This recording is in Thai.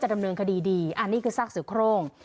จะดำเนินคดีดีอันนี้คือศักดิ์ศึกโครง